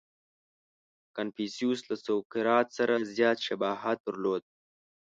• کنفوسیوس له سوکرات سره زیات شباهت درلود.